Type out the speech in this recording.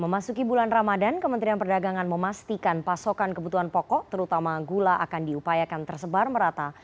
memasuki bulan ramadan kementerian perdagangan memastikan pasokan kebutuhan pokok terutama gula akan diupayakan tersebar merata